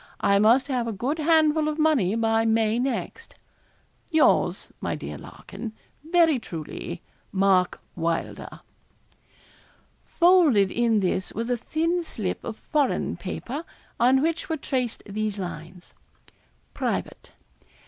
I must have a good handful of money by May next. 'Yours, my dear Larkin, 'Very truly, 'MARK WYLDER.' Folded in this was a thin slip of foreign paper, on which were traced these lines: '_Private.